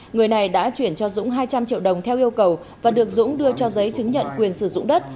người này đã chuyển cho dũng hai trăm linh triệu đồng theo yêu cầu và được dũng đưa cho giấy chứng nhận quyền sử dụng đất